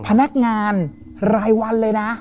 พนักงานรายวันเลยนะ